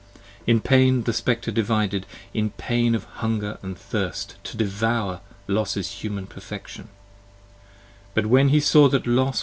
In pain the Spectre divided, in pain of hunger and thirst, 14 To devour Los's Human Perfection, but when he saw that Los p.